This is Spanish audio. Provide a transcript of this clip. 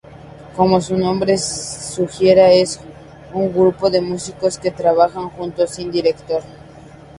Como su nombre sugiere, es un grupo de músicos que trabajan juntos, sin director.